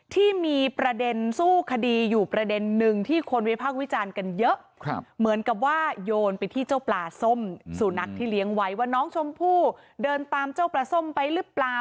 ที่มีประเด็นสู้คดีอยู่ประเด็นนึงที่คนวิพากษ์วิจารณ์กันเยอะเหมือนกับว่าโยนไปที่เจ้าปลาส้มสูนักที่เลี้ยงไว้ว่าน้องชมพู่เดินตามเจ้าปลาส้มไปหรือเปล่า